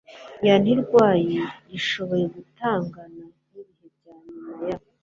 ya ntirwari rushoboye guhangana n ibihe bya nyuma ya